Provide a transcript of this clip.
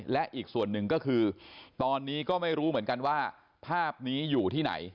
และอีกส่วนหนึ่งก็คือตอนนี้ก็ไม่รู้เหมือนกันว่าภาพนี้อยู่ที่ไหน